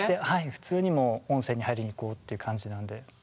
普通にもう温泉に入りに行こうという感じなので。